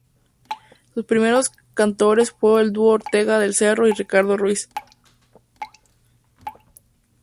Sus primeros cantores fueron el dúo Ortega del Cerro y Ricardo Ruiz.